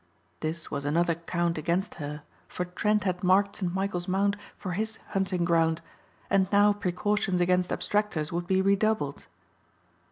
This was another count against her for Trent had marked St. Michael's Mount for his hunting ground and now precautions against abstractors would be redoubled.